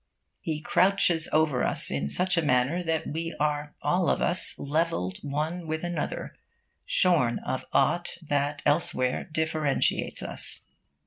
He crouches over us in such manner that we are all of us levelled one with another, shorn of aught that elsewhere differentiates us.